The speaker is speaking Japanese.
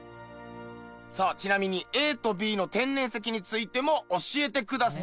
さあちなみにＡとＢの天然石についても教えてください。